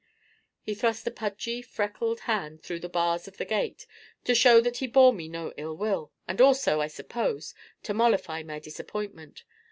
He thrust a pudgy, freckled hand through the bars of the gate to show that he bore me no ill will, and also, I suppose, to mollify my disappointment.